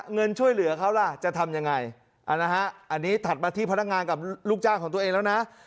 เงินช่วยเหลือเขาล่ะจะทำยังไงอันนี้ถัดมาที่พนักงานกับลูกจ้างของตัวเองแล้วนะ